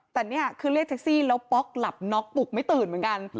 แต่นี่คือเรียกแท็กซี่แล้วป๊อกหลับน็อกปลุกไม่ตื่นเหมือนกัน